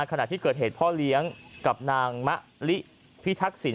ขณะที่เกิดเหตุพ่อเลี้ยงกับนางมะลิพิทักษิณ